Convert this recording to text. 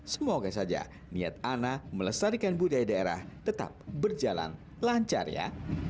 semoga saja niat ana melestarikan budaya daerah tetap berjalan lancar ya